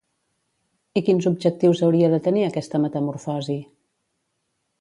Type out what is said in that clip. I quins objectius hauria de tenir aquesta metamorfosi?